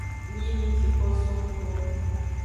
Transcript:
Nyi mi ji ko so nggbo.